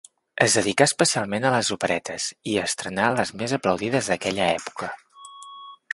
Es dedicà especialment a les operetes, i estrenà les més aplaudides d'aquella època.